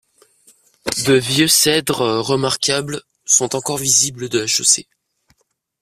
De vieux cèdres remarquables sont encore visibles de la chaussée.